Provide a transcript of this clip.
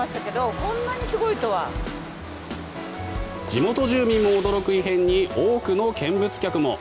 地元住民も驚く異変に多くの見物客も。